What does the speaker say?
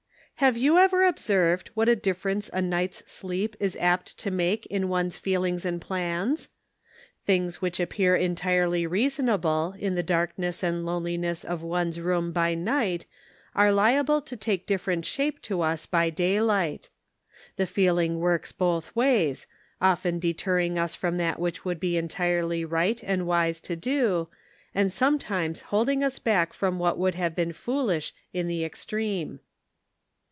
TAVE you ever observed what a dif ference a night's sleep is apt to make in one's feelings and plans ? Things which appear entirely reasonable in the dark ness and loneliness of one's room, by night are liable to take different shape to us by daylight. The feeling works both ways, often deterring us from that which would be entirely right and wise to do, and sometimes holding us back from what would have been foolish in the extreme.